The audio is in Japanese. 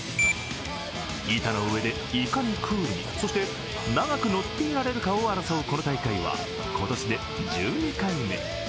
板の上でいかにクールにそして長く乗っていられるかを争うこの大会は今年で１２回目。